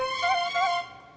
saya agak inginussah sampai kaget